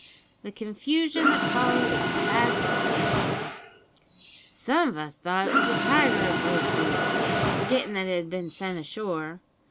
"The confusion that followed is past description. "Some of us thought it was the tiger had broke loose, forgettin' that it had been sent ashore.